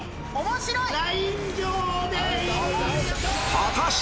面白い！